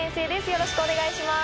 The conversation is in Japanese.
よろしくお願いします。